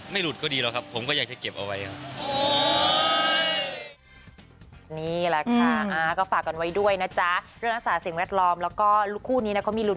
ไม่หลุดก็ดีครับผมก็อยากจะเก็บเอาไว้